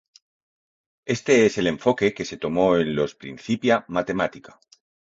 Este es el enfoque que se tomó en los Principia Mathematica.